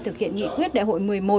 thực hiện nghị quyết đại hội một mươi một